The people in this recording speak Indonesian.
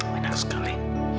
ya enak sekali